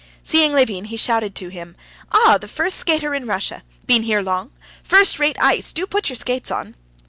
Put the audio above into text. Seeing Levin, he shouted to him: "Ah, the first skater in Russia! Been here long? First rate ice—do put your skates on."